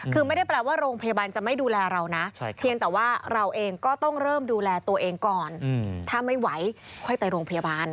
คือไม่ได้แปลว่าโรงพยาบาลจะไม่ดูแลเรานะเพียงแต่ว่าเราเองก็ต้องเริ่มดูแลตัวเองก่อนถ้าไม่ไหวค่อยไปโรงพยาบาล